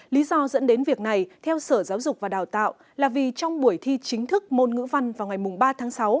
lý do dẫn đến việc này theo sở giáo dục và đào tạo là vì trong buổi thi chính thức môn ngữ văn vào ngày ba tháng sáu